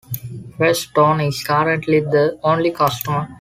Firestone is currently the only customer.